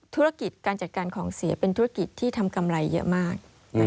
ธุรกิจการจัดการของเสียเป็นธุรกิจที่ทำกำไรเยอะมาก